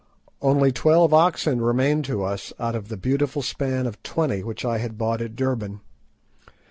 Only twelve oxen remained to us out of the beautiful span of twenty which I had bought at Durban.